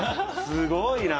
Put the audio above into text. すごいな。